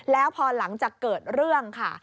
แล้วพอหลังจากเกิดเรื่องค่ะ